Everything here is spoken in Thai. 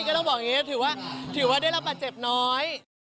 ก็ต้องบอกอย่างนี้ถือว่าด้วยรับประเจ็บน้อย